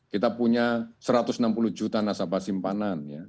kita punya satu ratus enam puluh juta nasabah simpanan